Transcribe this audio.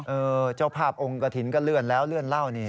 เจ้าภาพองค์กระถิ่นก็เลื่อนแล้วเลื่อนเล่านี่